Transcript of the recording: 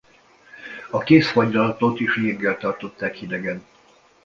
A kész fagylaltot is jéggel tartották hidegen.